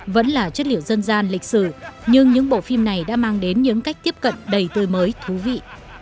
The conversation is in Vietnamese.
vẫn là chất liệu dân gian lịch sử nhưng những bộ phim này đã mang đến những cách tiếp cận đầy tươi mới thú vị